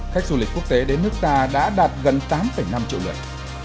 khách du lịch quốc tế đến nước ta đã đạt gần tám năm triệu lượt